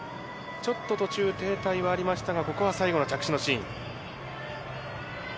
ちょっと途中、停滞はありましたが、ここは最後の着地のシーン。